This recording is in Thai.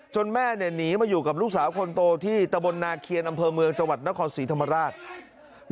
แม่หนีมาอยู่กับลูกสาวคนโตที่ตะบนนาเคียนอำเภอเมืองจังหวัดนครศรีธรรมราช